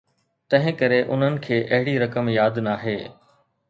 تنهن ڪري انهن کي اهڙي رقم ياد ناهي.